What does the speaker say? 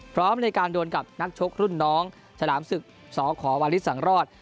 พร้อมในการโดนกับนักชกรุ่นน้องฉดามศึกสองขอวันฤทธิ์สังรอด